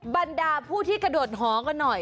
บรรดาผู้ที่กระโดดหอกันหน่อย